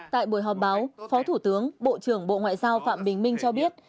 tại buổi họp báo phó thủ tướng bộ trưởng bộ ngoại giao phạm bình minh cho biết